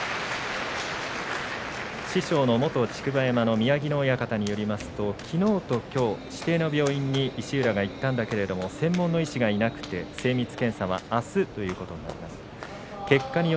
師匠の元竹葉山の宮城野親方によりますと、きのうときょう指定の病院に石浦が行ったんだけれど専門の医師がいなくて精密検査はあすということになりました。